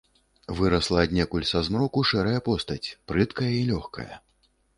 Вырасла аднекуль са змроку шэрая постаць, прыткая і лёгкая.